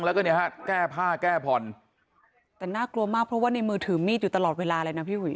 แล้วก็เนี่ยฮะแก้ผ้าแก้ผ่อนแต่น่ากลัวมากเพราะว่าในมือถือมีดอยู่ตลอดเวลาเลยนะพี่อุ๋ย